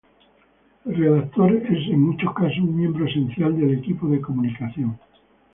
El redactor es en muchos casos un miembro esencial del equipo de comunicación.